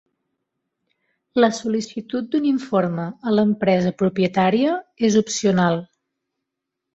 La sol·licitud d'un informe a l'empresa propietària és opcional.